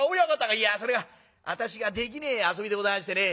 「いやそれが私ができねえ遊びでございましてね。